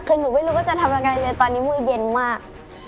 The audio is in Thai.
คือหนูไม่รู้ว่าจะทำยังไงเลยตอนนี้มือเย็นมาก